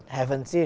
đây sẽ là